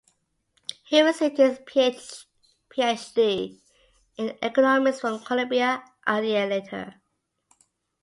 He received his Ph.D. in economics from Columbia a year later.